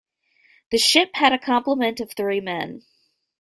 The ship had a complement of three men.